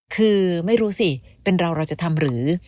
คือไม่รู้สิเป็นเราเราจะทำหรือ